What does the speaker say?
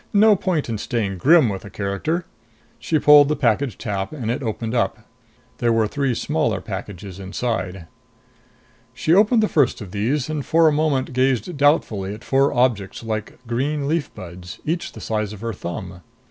No point in staying grim with the character! She pulled the package tab and it opened up. There were three smaller packages inside. She opened the first of these and for a moment gazed doubtfully at four objects like green leaf buds, each the size of her thumb.